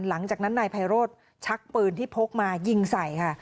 หลังจากนั้นนายไพโรธชักปืนที่พกมายิงใส่ค่ะ